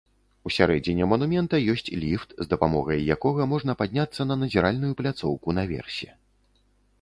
Усярэдзіне манумента ёсць ліфт, з дапамогай якога можна падняцца на назіральную пляцоўку наверсе.